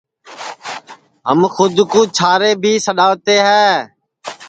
ہم کھود کُو چھارے بھی سڈؔاتے ہے